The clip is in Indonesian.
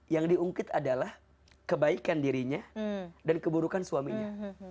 yang diungkit adalah kebaikan dirinya dan keburukan suaminya